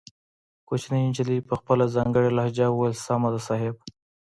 کوچنۍ نجلۍ په خپله ځانګړې لهجه وويل سمه ده صيب.